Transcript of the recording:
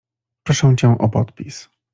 — Proszę cię o podpis.